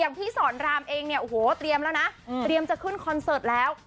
พี่สอนรามเองเนี่ยโอ้โหเตรียมแล้วนะเตรียมจะขึ้นคอนเสิร์ตแล้ว